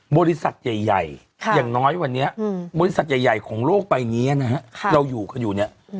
บริษัทใหญ่อย่างน้อยวันนี้บริษัทใหญ่ของโลกใบนี้นะฮะเราอยู่กันอยู่เนี่ย